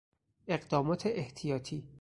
اقدامات احتیاطی